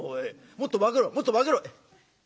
もっと化けろもっと化けろ」。